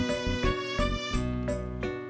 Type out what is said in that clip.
gimana aja tuh